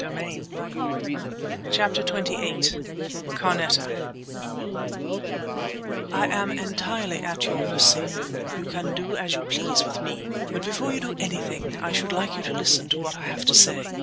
"But—" CHAPTER XXVIII CARNETA "I am entirely at your mercy; you can do as you please with me. But before you do anything I should like you to listen to what I have to say."